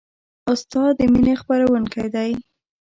استاد د مینې خپروونکی دی.